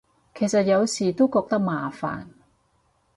其實有時都覺得麻煩